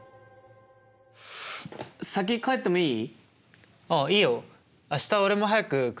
先帰ってもいい？